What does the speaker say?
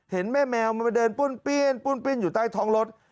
เห็นแม่แมวมาเดินปุ้นปิ้นปุ้นปิ้นอยู่ใต้ท้องรถ